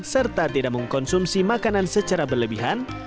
serta tidak mengkonsumsi makanan secara berlebihan